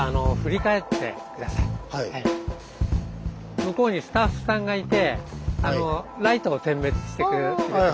向こうにスタッフさんがいてライトを点滅してくれています。